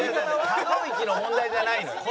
可動域の問題じゃないのよ。